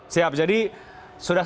siap jadi sudah